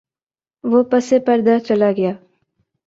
وہ پس پردہ چلاگیا۔